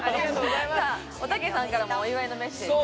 おたけさんからもお祝いのメッセージ。